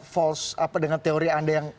false apa dengan teori anda yang